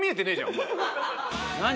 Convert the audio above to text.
何？